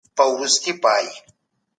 استازي په لويه جرګه کي خپل نظرونه وايي.